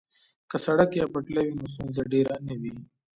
که سړک یا پټلۍ وي نو ستونزه ډیره نه وي